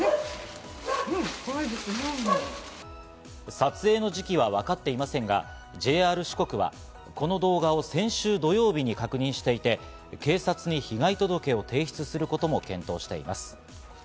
撮影の時期はわかっていませんが、ＪＲ四国はこの動画を先週土曜日に確認していて、警察に被害届を提出することも検討しています。